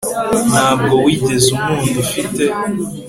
Ntabwo wigeze unkunda ufite